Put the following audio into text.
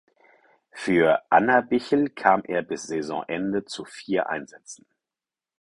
Für Annabichl kam er bis Saisonende zu vier Einsätzen.